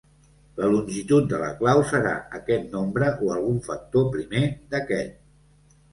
La longitud de la clau serà aquest nombre o algun factor primer d'aquest.